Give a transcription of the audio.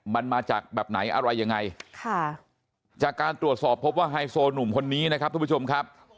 มันมาจากแบบไหนอะไรยังไงค่ะจากการตรวจสอบพบว่าไฮโซหนุ่มคนนี้นะครับทุกผู้ชมครับ